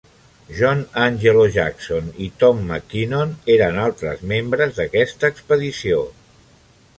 John Angelo Jackson i Tom Mackinon eren altres membres d'aquesta expedició.